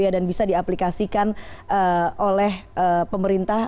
dan bisa diaplikasikan oleh pemerintah